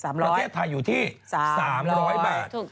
ประเทศไทยอยู่ที่๓๐๐บาท